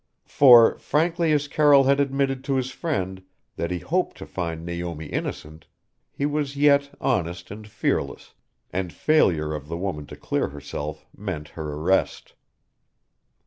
For, frankly as Carroll had admitted to his friend that he hoped to find Naomi innocent he was yet honest and fearless, and failure of the woman to clear herself meant her arrest.